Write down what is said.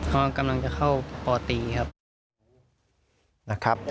เขากำลังจะเข้าปตีครับ